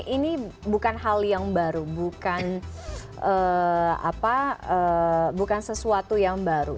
ini bukan hal yang baru bukan sesuatu yang baru